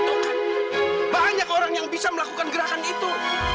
banyak orang yang bisa melakukan gerakan itu